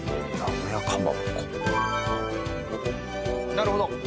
なるほど！